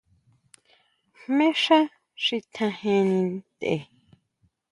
Jmé xá xi tjajeni ntʼe.